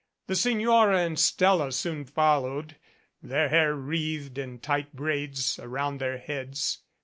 The Signora and Stella soon followed, their hair wreathed in tight braids around their heads.